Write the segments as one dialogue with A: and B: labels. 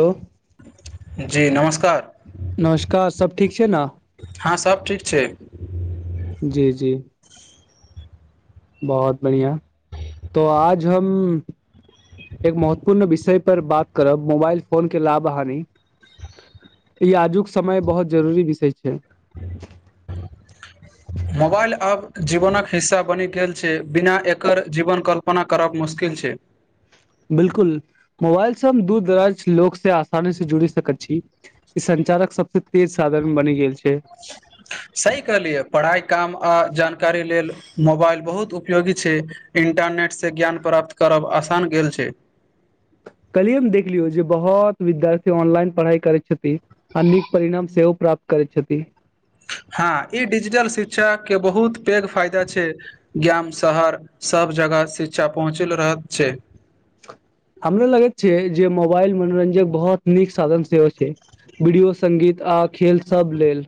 A: hello
B: जी नमस्कार
A: नमस्कार सब ठीक छै न
B: हँ सभ ठीक छै
A: जी जी बहुत बढ़िआ तो आज हम एक महत्वपूर्ण विषय पर बात करब मोबाइल फोन के लाभ हानि ई आजुक समय बहुत जरूरी विषय छै
B: मोबाइल एप जीवनक हिस्सा बनि गेल छै बिना एकर जीवन कल्पना करब मुश्किल छै
A: बिलकुल मोबाइल से हम दूर दराज लोक से आसानी से जुड़ी सकैत छी संचारक सबसे तेज साधन मे बनि गेल छै
B: सही कहलियै पढ़ाइ काम आ जानकारी लेल मोबाइल बहुत उपयोगी छै इन्टरनेट से ज्ञान प्राप्त करब आसान गेल छै
A: हँ कलिये मे देखलियो जे बहुत विद्यार्थी ऑनलाइन पढ़ाई करे छथिन आ नीक परिणाम सेहो प्राप्त करय छथिन
B: हाँ इ डिजिटल शिक्षा के बहुत पैघ फायदा छै गाम शहर सब जगह शिक्षा पहुँचल रह छै
A: हँ हमरो लगैत छै जे मोबाइल मनोरंजक बहुत नीक साधन सेहो छै वीडियो सगीत आ खेल सब लेल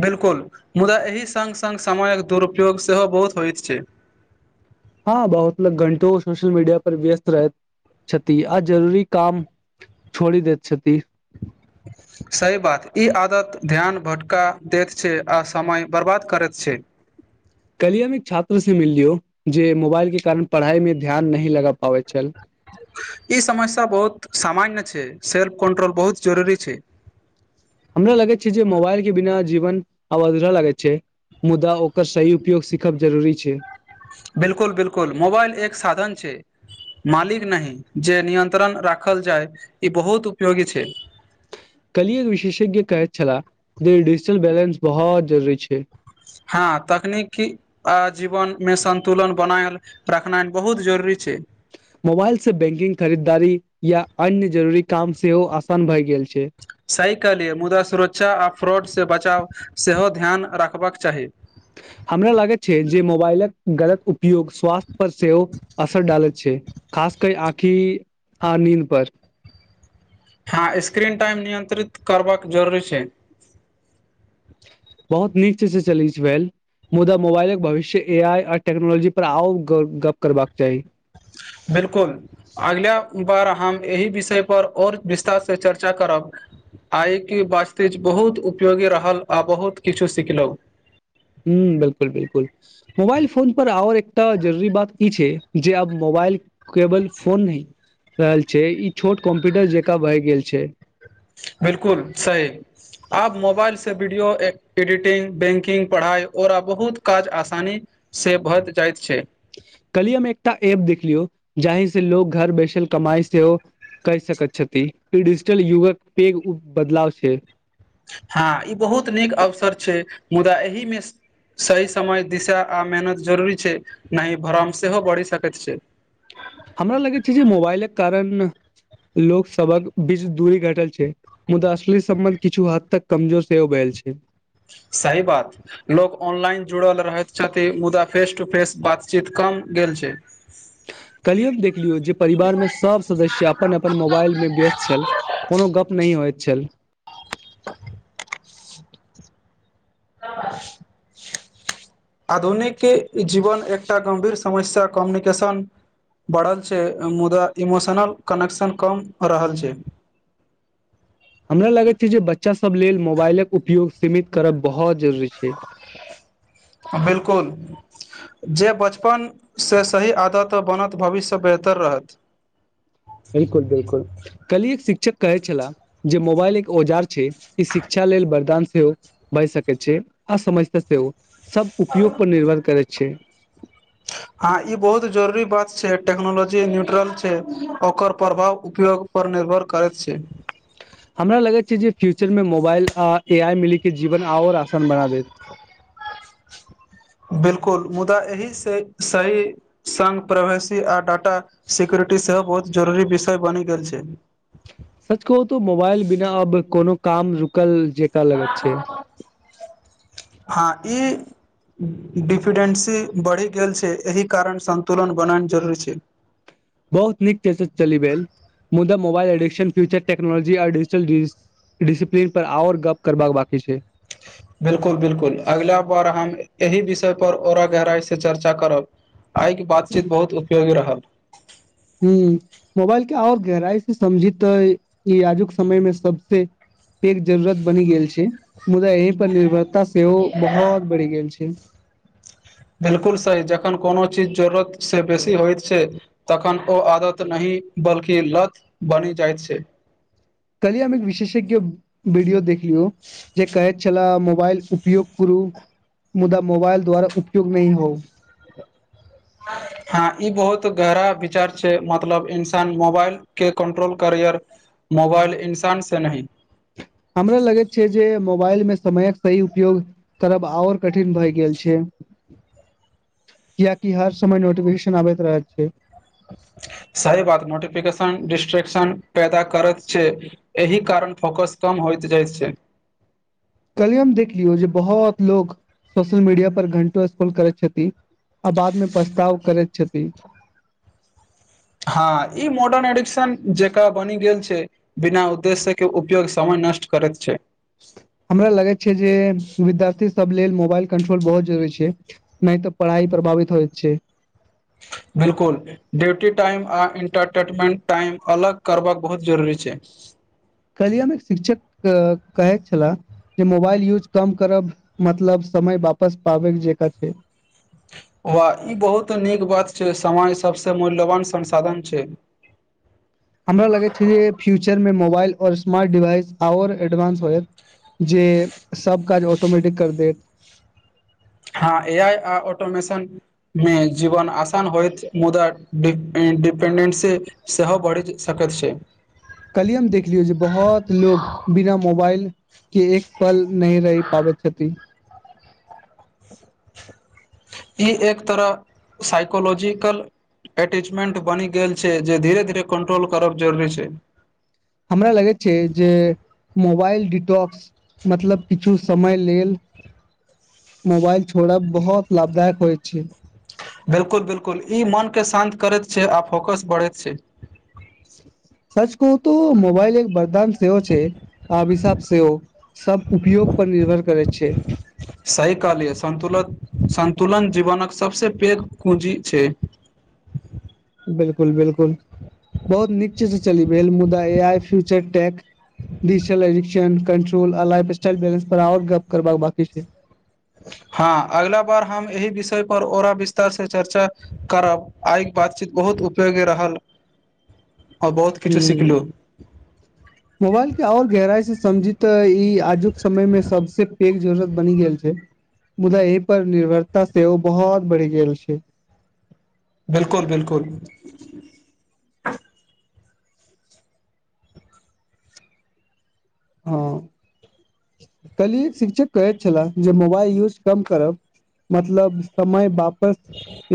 B: बिल्कुल मुदा एहि संग संग समय के दुरूपयोग से बहुत होइत छै
A: हँ बहुत लोग घंटो सोशल मीडिया पर व्यस्त रहत छथि आ जरूरी काम छोड़ देति
B: सही बात ई आदत ध्यान भटका दैत छै आ समय बर्बाद करैत छै
A: हँ कलिय एक छात्र से मिल लियौ जे मोबाइल के कारण पढ़ाई में ध्यान नहि लगा पाबै छै
B: ई समस्या बहुत सामान्य सेल्फ कन्ट्रोल बहुत जरूरी छै
A: हमरा लगैत छै जे मोबाइल के बिना जीवन अब अधूरा लगैत छै मुदा ओकर सही उपयोग सीखब जरूरी छै
B: बिलकुल बिलकुल मोबाइल एक साधन छै मालिक नहि जे नियन्त्रण राखल जाय ई बहुत उपयोगी छै
A: कल एक विशेषज्ञ कहै छलाह जे डिजिटल बैलेंस बहुत जरूरी छै
B: हँ तकनीकी आ जीवन मे संन्तुलन बनायल रखनाइ बहुत जरूरी छै
A: मोबाइल से बैंकिंग खरीदारी या अन्य जरूरी काम सेहो आसान भए गेल छै
B: सहकलिय मुदा्रा सुरक्षा आ फ्रॉड से बचाव सेहो ध्यान राख होबाक चाही
A: ह हमरा लागैत छै जे मोबाइलक गलत उपयोग स्वास्थ्य पर सेहो असर डालल छै आखी आ नीद पर आ
B: हँ स्क्रीन टाइम नियंत्रित करबाक जरूरी छै
A: बहुत नीक छै से चलै छै भेल मुदा मोबाइलक भविष्य ए आइ आ टेक्नोलॉजी पर आओ ग गप्प करबाक चाही
B: बिलकुल अगिला बार हम एहि विषय पर ओर विस्तार से चर्चा करब आइके वास्तिज बहुत उपयोगी रहल आ बहुत किछु सिखलहुँ
A: हुँ बिलकुल बिलकुल मोबाइल फोन पर आर एकटा जरूरी बात ई छै जे आब मोबाइल मोबाइल केबल फोन नह रहल छै ई छोट कम्प्यूटर जेकाँ भहि गेल छै
B: बिलकुल सही आप मोबाइल से वीडियो एडिटिंग बैंकिंग पढाई ओरा बहुत काज आसानी से भऽ जाइत छै
A: कलियम एकटा एऐप देख लियौ जी से लोग घर बैसल कमाइ सेहो कहि सकैत छथि कि डीजिटल युगक के बदलाव छै
B: हँ ई बहुत नीक अवसर छै मुदा एहिमे सही समय दिशा आ मेहनत जरूरी छै न भरम सेहो बढ़ि सकैत छै
A: हमरा लगैत छै जे मोबाइलक कारण लोक सभक बीच दूरी घटल छै मुदा असली सम्बन्ध किछु हद तक कमजोर सेहो भेल छै -
B: सही बात लोग ऑनलाइन जुड़ल रह छथि मुदा फेस टू फेस बातचीत कम गेल छै
A: [unintelligible] कलियी हम देखलियो जे परिवार मे सब सदस्य अपन अपन मोबाइल मे व्यस्त छल कोनो गप नह होइत छल
B: [unintelligible] [unintelligible] आधुनिक जीवन एकटा गम्भीर समस्या कम्युनिकेशन बढ़ल छै मुदा इमोशनल कनेक्शन कम रहल छै
A: हमरा लगैत छै जे बच्चा सब लेल मोबाइलक उपयोग सीमित करब बहुत जरुररी छै
B: बिलकुल जे बचपनसँ सही आदत बनत भविष्य बेहतर रहत
A: बिलकुल बिलकुल कल एक शिक्षक कहै छलाह जे मोबाइल एक औजार छै ई शिक्षा लेल वरदान सेहो भए सकैत छै आ समझता सेहो ओ सब उपोग पर निर्भर करै छै
B: ह ई बहुत जरुररी बात छै टेक्नोलॉजी न्यूट्रल छै ओकर प्रभाव उपयोग पर ने तकर कारक छै
A: त हमरा लगैत छै जे फ्यूचर मे मोबाइल आ ए आइ मिल के जीवन आओर आसान बना देत [unintelligible]
B: बिलकुल मुदा एहि सही संघ प्रवेशी आ डाटा सिक्यरििटी टी सेहो बहुत जरूरी विषय बनि गेल छै
A: सच कहू त मोबाइल बिना अब कोनो काम रुकल जेका लगैत छै
B: हँ ई डिफिडेन्सी बढ़ि गेल छै एहि कारण सन्तुलन बनाऽ चलल छै
A: बहुत नीक छै से चली भेल मुदा मोबइल एडिकशन फ्यूचर टेक्नोलजी आ डजिटल डी डीसिप्लीन पर आओर गप्प करबाक बांकी छै
B: बिलकुल बिलकुल अगिला बार हम एहि विषय पर औरा गहराइ से चर्चा करब आइके बातचीत बहुत उपयोगी रहल
A: हूँ मोबाइल के आओर गहराई से समझी त ई आजुक समयमे सबसे एक जरूरत बनि गेल छै मुदा यही पर निर्भरता सेहो बहुत बढ़ि गेल छै
B: बिलकुल सही जखन कोनो चीज जरूरत से बेसी होइत छै तखन ओ आदत नहि बल्कि लथ बनी जाइत छै
A: कहलियए हम एक विशेषज्ञ वीडियो देखलियौ जे कहैत छला मो बाइल उपयोग करू मुदा मोबाइल द्वारा उपयोग नहि होउ
B: हँ ई बहुत गहरा विचार छै मतलब इन्सान मोबाइल के कंट्रोल करै मोबाइल इंसान से नहि
A: हमरा लगैत छै जे मो मोबाइलमे समयक सही उपयोग करब आओर कठिन भए गेल छै कियाकि हर समय नोटिफिकेशन आबैत रहैत छै
B: सही बात नोटिफिकेशन डिस्ट्रेक्शन पैदा करैत छै एहि कारण फोकस कम होइत जाइत छै
A: [inaudible] कल्हि हम देख लियौ जे बहुत लोग सोशल मीडिया पर घंटो स्कोल करैत छथिन आ बादमे पछताव करैत छथि
B: हँ ई मॉडर्न एडिक्शन जेकां बनि गेल छै बिना उद्देश्य के उपयोग समय नष्ट करैत छै
A: हमरा लगै छै जे विद्यार्थी सब लेल मोबाइल कंट्रोल बहुत जरूरी छै नहि तऽ पढ़ाइ प्रभावित होइत छै
B: बिलकुल ड्यूटी टाइम आ इंटरटेनमेंट टाइम अलग करबाक बहुत जरूरी छै
A: कल्हियन एक शिक्षक कहैत छलाह जे मोबाइल यूज कम करब मतलब समय वापस पाबैय जकाँ छै
B: वाह ई बहुत नीक बात छै समय सबसे मूल्यवान संसाधन छै
A: ह हमरा लागैत छै जे फ्यूचरमे मोबाइल आओर स्मार्ट डिवाइस आओर एडवांस होयत जे सब काज ऑटोमैटिक करि देत
B: हँ ए आइ आ ऑटोमेशनमे जीवन आसान होयइत मुदा इंडिपेंडेंस सेहो बढ़ि सकैत छै
A: कल्हि हम देख लियौ जे बहुत लोग बिना मोबाइल के एक पल नहि रहि पाबैत छथिन
B: ई एक तरह साइकोलॉजिकल एटेचमेंट बनि गेल छै जे धीरे धीरे कंट्रोल करब जरूरी छै
A: हमरा लगैत छै जे मोबाइल डिटॉक्स मतलब किछु समय लेल मोबाइल छोड़ला बहुत लाभदायक होय छै
B: बिलकुल बिलकुल ई मन के शान्त करैत छै आ फोकस बढ़ैत छै
A: सच कहुं त मोबाइल एक वरदान सेहो छै आभिशाप सेहो सब उपयोग पर निर्भर करै छै
B: सही कहलियै संतुलन संतुलन जीवनक सबस पैघ पूंजी छै
A: [inaudible] बिलकुल बिलकुल बहुत नीक चीज चली भेल मुदा A I future tech digital addiction control आ लाइफ स्टाइल बैलन्स पर आर गप्प करबाक बांकी छै [inaudible]
B: हँ अगिला बार हम एहि विषय पर ओरा विस्तार से चर्चा करब आइ के बातचीत बहुत उपयोगी रहल
A: [inaudible]
B: आ बहुत
A: ह
B: किछु सिखलु
A: मोबाइल के आओर गहराइ से समझी तऽ ई आज आजुक समयमे सबसे पैघ जरूरत बनि गेल छै मुदा एहि पर निर्भरता सेहो बहुत बढ़ि गेल छै
B: बिलकुल बिलकुल
A: हँ कहलियै शिक्षक कहैत छलाह जे मोबाइल यूज कम करब मतलब समय वापस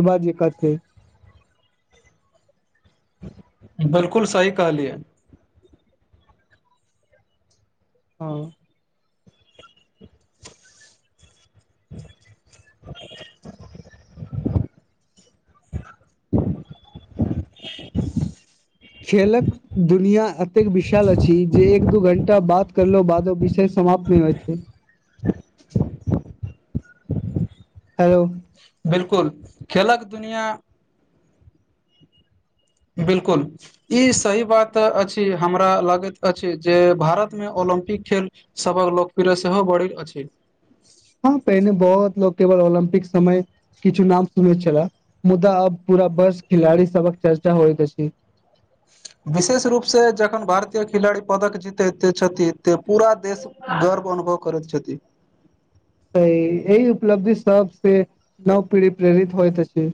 A: एवा जेका छै [inaudible]
B: बिलकुल सही कहलियए
A: हँ
B: [inaudible]
A: [inaudible] खेलक दुनिया एतेक विशाल अछि जे एक दू घण्टा बाद करला बादो विषय समाप्त नहि होइ छै हेलो
B: बिलकुल खेलक दुनिआ बिल्कुल ई सही बात अछि हमरा लागैत अछि जे भारतमे आओर ओलम्पिक खेल सभक लोकप्रिय सेहो बढ़ि अछि
A: [inaudible] हँ पहिने बहुत लोक केवल ओलम्पिक समय किछु नाम सुनैत छले मुदा अब पूरा बर्ष खिलाड़ी सबक चर्चा होइत अछि
B: विशेष रूपसँ जखन भारतीय खिलाड़ी पदक जीतैत छथिन तऽ पूरा देशभर अनुभव करैत छथि
A: [inaudible] स इ एहि उपलब्धि सब से नव पीढ़ी प्रेरित होइत अछि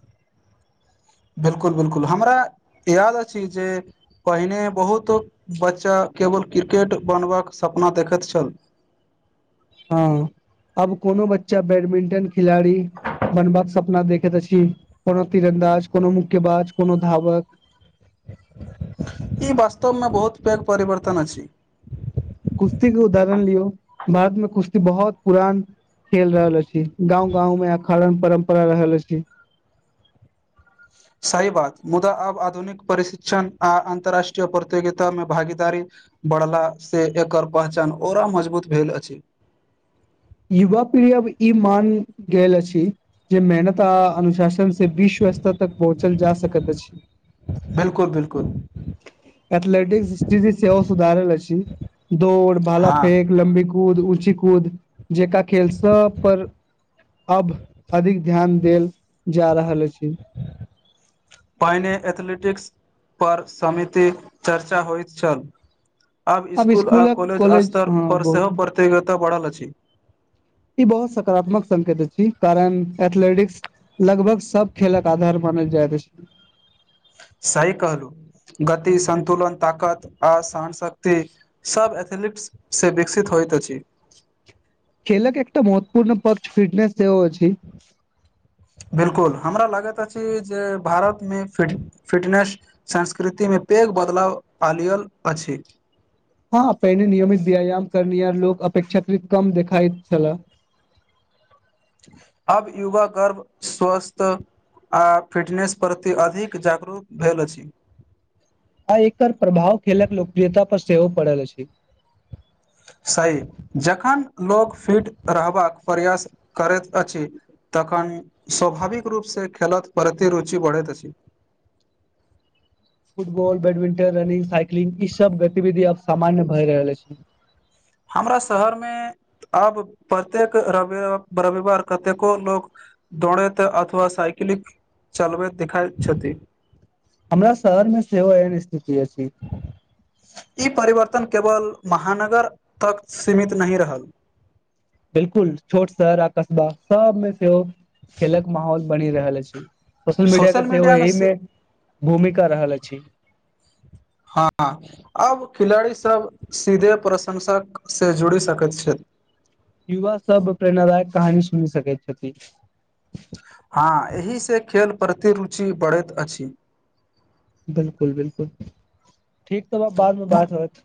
B: बिलकुल बिलकुल हमरा याद अछि जे पहिने बहुत बच्चा केवल क्रिकेट बनबाक सपना देखैत छल
A: हँ अब कोनो बच्चा बैडमिंटन खिलाड़ी बनबाक सपना देखैत अछी कोनो तीरन्दाज कोनो मुक्केबाज कोनो धावक
B: ई वास्तवमे बहुत पैघ परिवर्तन अछि
A: कुश्ती के उदाहरण लियौ भारतमे कुश्ती बहुत पुरान खेल रहल अछि गाँंव गाँवमे अखाड़न परम्परा रहल अछि
B: सही बात मुदा अब आधुनिक प्रशिक्षण आ अन्तर्राष्ट्रीय प्रतियोगितामे भागीदारी बढ़लासँ एकर पहचान ओरा मजबूत भेल अछि
A: युवा पीढ़ी अब ई मानि गेल अछि जे मेहनत अनुशासन से विश्व स्तर तक पहुँचल जा सकैत अछि
B: कुद
A: एथेलेटिक्स स्थिति सेहो सुधारैला छी दौड़ भाला
B: हँ
A: फेेक लम्बी कूद ऊँची कूद जेका खेल सब पर अब अधिक ध्यान देल जा रहल अछि
B: पहिने एथलेटिक्स पर समिति चर्चा होइत छल आब
A: अब
B: इस्कुल आ
A: स्कुलक
B: कॉलेज
A: हँ
B: स्तरपर
A: बहुत
B: सेहो प्रतियोगिता बढ़ल अछि
A: ई बहुत सकारात्मक संकेत अछी कारण एथलेटिक्स लगभग सब खेलक आधार मानल जाइत अछि [inaudible]
B: सहि कहलहु गति संन्तुलन ताकत आ सहनशक्ति सब एथलीट्स से विकसित होइ होइत अछि
A: [inaudible] एकटा महत्वपूर्ण पक्ष फिटनेस सेहो अछि
B: बिलकुल हमरा लागैत अछि कि जे भारतमे फिट फिटनेस संस्कृति मे पैघ बदलाव आलियल अछि
A: हँ पहिने नियमित व्यायाम करनिहार लोक अपेक्षाकृत कम देखाइत छलए [inaudible]
B: अब योगा करब स्वस्थ आ फिटनेस प्रति अधिक जागरूक भेल अछि
A: आय एकर प्रभाव खेलक लोकप्रियता पर सेहो पड़ल अछि
B: सही जखन लोक फिट रहबाक प्रयास करैत अछि तखन स्वाभाविक रूपसँ खेलत परति रुचि बढ़ैत अछि
A: फुटबॉल बैडमिंटन रनिंग साइकिलिंग ई सब गतिविधि अब सामान्य भए रहल अछि
B: हमरा शहरमे अब प्रत्येक रवि रविवार कतेको लोक दौड़ैत अथवा साइकिल क्लिक चलबैत देखाइत छथि
A: हमरा शहर मे सेहो एहन स्थित
B: ई परिवरतन केवल महानगर तक सीमित नहि रहल
A: बिलकुल छोट शहर आ कस्बा सबमे सेहो खेलक माहौल बनि रहल अछि सोशल मीडिय
B: सोशल
A: के सेहो
B: मीडिया मे से
A: एहिमे भूमिका रहल अछि
B: हँ आब खिलाड़ी सब सीधे प्रशंसक से जुड़ी सकैत छथि
A: युवा सभ प्रेरणादायक कहानी सुनि सकैत छथि
B: हँ एहिसँ खेल प्रति रुचि बढ़ैत अछि
A: बिलकुल बिलकुल ठीक त बादमे बात होत